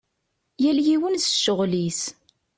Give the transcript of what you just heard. Yal yiwen s ccɣel-is.